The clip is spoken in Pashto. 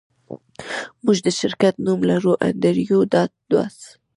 موږ د شرکت نوم لرو انډریو ډاټ باس